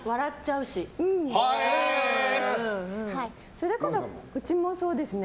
それこそ、うちもそうですね。